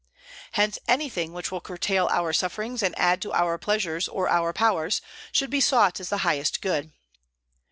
Hence anything which will curtail our sufferings and add to our pleasures or our powers, should be sought as the highest good.